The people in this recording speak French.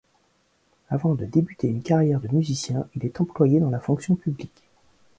Avant de débuter une carrière de musicien, il est employé dans la fonction publique.